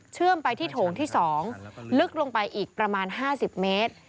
ไปที่โถงที่๒ลึกลงไปอีกประมาณ๕๐เมตร